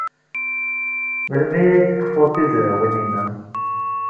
Melmi ay tfuked tizrawin-nnem?